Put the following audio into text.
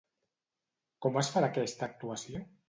Com es farà aquesta actuació?